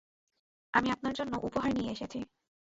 আমি আপনার জন্যে উপহার নিয়ে এসেছি।